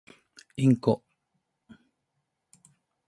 インコ